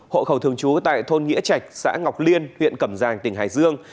hộ khẩu thường trú tại thôn nghĩa trạch xã ngọc liên huyện cầm giàng tỉnh hải dương